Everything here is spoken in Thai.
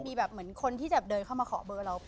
มีแบบเหมือนคนที่จะเดินเข้ามาขอเบอร์เรา